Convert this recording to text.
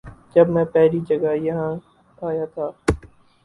جب میں پہلی جگہ یہاں آیا تھا